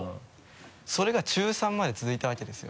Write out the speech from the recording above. それが中３まで続いたわけですよ。